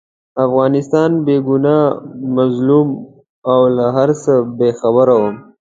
افغانستان بې ګناه، مظلوم او له هرڅه بې خبره وو.